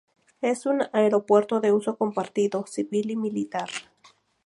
Es un aeropuerto de uso compartido civil y militar.